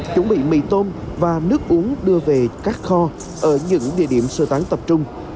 chuẩn bị mì tôm và nước uống đưa về các kho ở những địa điểm sơ tán tập trung